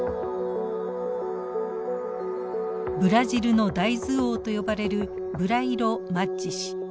ブラジルの大豆王と呼ばれるブライロ・マッジ氏。